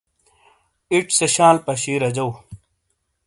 ایڇ سے شال پشی رجو ۔